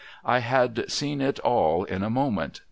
I had seen it all, in a moment.